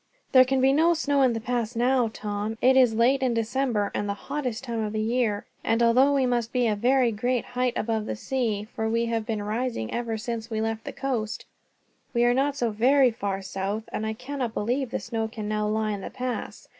"There can be no snow in the pass now, Tom; it is late in December, and the hottest time of the year; and although we must be a very great height above the sea, for we have been rising ever since we left the coast, we are not so very far south, and I cannot believe the snow can now lie in the pass.